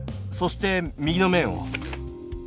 そして右の面を。